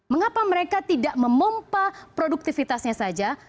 mengapa mereka tidak memompa produktivitasnya saja